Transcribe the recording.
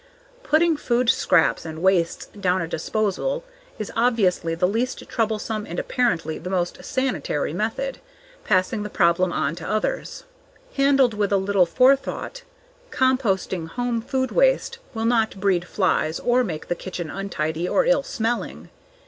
Putting food scraps and wastes down a disposal is obviously the least troublesome and apparently the most "sanitary" method, passing the problem on to others. Handled with a little forethought, composting home food waste will not breed flies or make the kitchen untidy or ill smelling.